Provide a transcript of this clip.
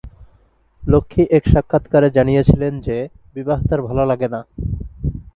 লক্ষ্মী এক সাক্ষাৎকারে জানিয়েছিলেন যে, "বিবাহ তাঁর ভালো লাগে না"।